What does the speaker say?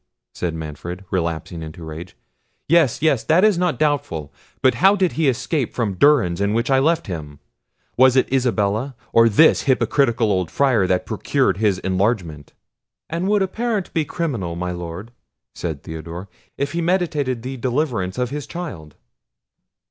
said Manfred, relapsing into rage; "yes, yes, that is not doubtful—. But how did he escape from durance in which I left him? Was it Isabella, or this hypocritical old Friar, that procured his enlargement?" "And would a parent be criminal, my Lord," said Theodore, "if he meditated the deliverance of his child?"